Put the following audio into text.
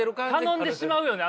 頼んでしまうよね